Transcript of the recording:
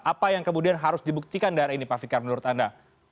apa yang kemudian harus dibuktikan dari ini pak fikar menurut anda